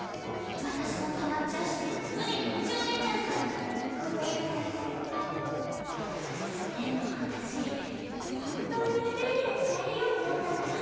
私も止まっちゃうし船に異常出ちゃうごめんなさいでも私本当にエーテルギア使えるようになったんだ。